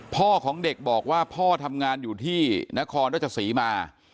พ่อของเด็กบอกว่าพ่อทำงานอยู่ที่นครราชศรีมา